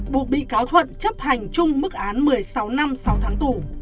buộc bị cáo thuận chấp hành chung mức án một mươi sáu năm sáu tháng tù